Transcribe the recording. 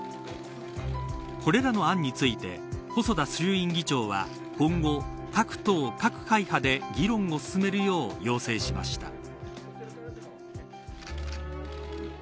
これらの案について細田衆院議長は今後各党、各会派で議論を進めるよう要請しました。